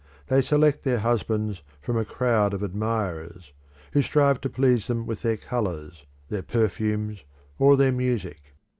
They select their husbands from a crowd of admirers, who strive to please them with their colours, their perfumes, or their music.